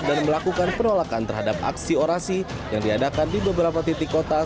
dan melakukan penolakan terhadap aksi orasi yang diadakan di beberapa titik kota